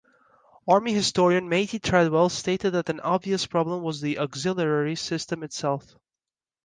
Army historian Mattie Treadwell stated that an obvious problem was the auxiliary system itself.